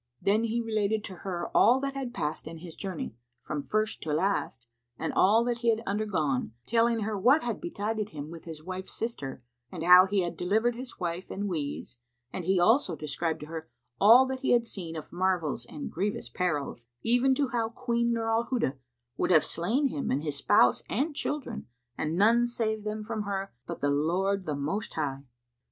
Then he related to her all that had past in his journey, from first to last, and all that he had undergone, telling her what had betided him with his wife's sister and how he had delivered his wife and wees and he also described to her all that he had seen of marvels and grievous perils, even to how Queen Nur al Huda would have slain him and his spouse and children and none saved them from her but the Lord the Most High.